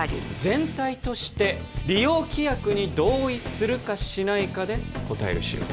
全体として利用規約に同意するかしないかで答える仕様